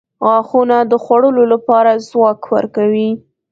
• غاښونه د خوړلو لپاره ځواک ورکوي.